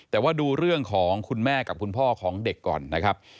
แต่ว่าดูเรื่องของคุณแม่กับคุณพ่อของเด็กก่อนนะครับ